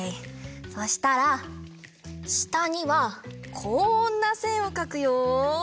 そしたらしたにはこんなせんをかくよ！